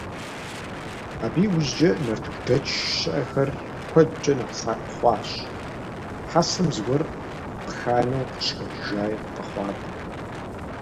Абы иужькӀэ нартыхудэч щыӀэхэр куэдкӀэ нэхъ сакъ хъуащ, хьэсэм зыгуэр къыханэу къыщыхэкӀыжаи къэхъуакъым.